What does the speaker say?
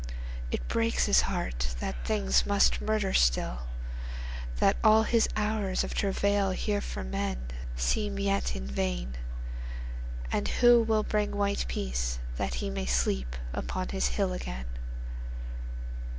It breaks his heart that things must murder still, That all his hours of travail here for menSeem yet in vain. And who will bring white peaceThat he may sleep upon his hill again?